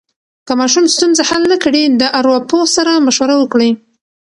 که ماشوم ستونزه حل نه کړي، د ارواپوه سره مشوره وکړئ.